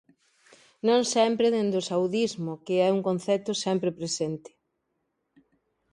Non sempre dende o saudismo, que é un concepto sempre presente.